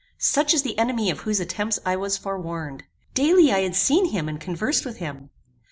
Such is the enemy of whose attempts I was forewarned. Daily I had seen him and conversed with him.